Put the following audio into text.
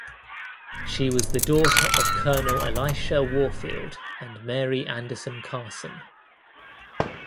She was the daughter of Colonel Elisha Warfield and Mary Anderson Carson.